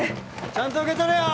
ちゃんと受け取れよ！